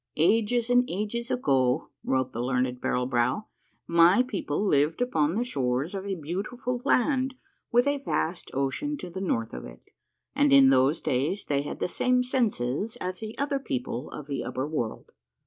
" Ages and ages ago," wrote the learned Barrel Brow, " my people lived upon the shores of a beautiful land with a vast ocean to the north of it, and in those days they had the same senses as the other people of the upper world.